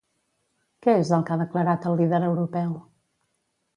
Què és el que ha declarat el líder europeu?